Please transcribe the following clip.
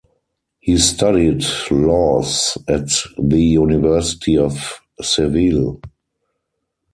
He studied Laws at the University of Seville.